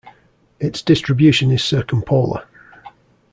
Its distribution is circumpolar.